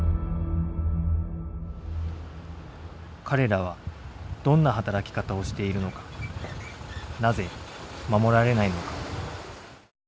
彼らはどんな働き方をしているのかなぜ守られないのか。